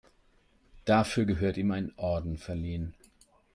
Dafür gehört ihm ein Orden verliehen.